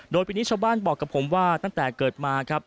โดยปีนี้ชาวบ้านบอกกับผมว่าตั้งแต่เกิดมาครับ